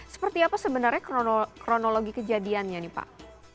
seperti apa sebenarnya kronologi kejadiannya nih pak